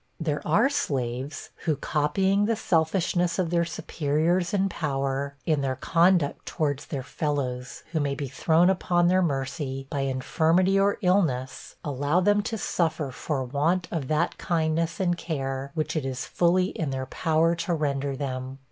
There are slaves, who, copying the selfishness of their superiors in power, in their conduct towards their fellows who may be thrown upon their mercy, by infirmity or illness, allow them to suffer for want of that kindness and care which it is fully in their power to render them.